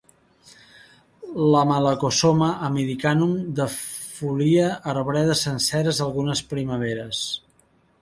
La malacosoma americanum defolia arbredes senceres algunes primaveres.